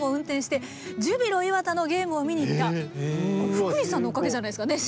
福西さんのおかげじゃないですかね？